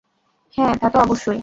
হ্যাঁ, তা তো অবশ্যই।